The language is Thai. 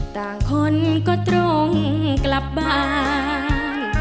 ต่างคนก็ตรงกลับบ้าน